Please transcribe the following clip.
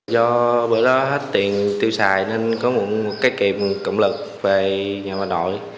do bữa đó hết tiền tiêu xài nên có một cái kịp cộng lực về nhà bà nội